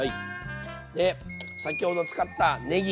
で先ほど使ったねぎ